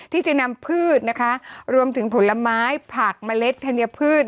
ที่จะนำพืชนะคะรวมถึงผลไม้ผักเมล็ดธัญพืช